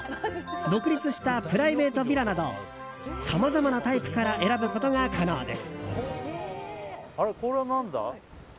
独立したプライベートヴィラなどさまざまなタイプから選ぶことが可能です。